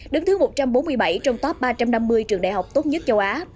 đứng thứ một trăm bốn mươi bảy trong top ba trăm năm mươi trường đại học tốt nhất châu á